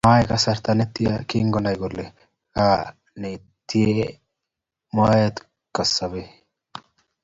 Moib kasarta netia kingonai kole nga netinyei moet kosobei